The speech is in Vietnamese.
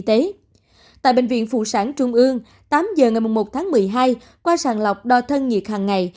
tế tại bệnh viện phụ sản trung ương tám h ngày một tháng một mươi hai qua sàn lọc đo thân nhiệt hằng ngày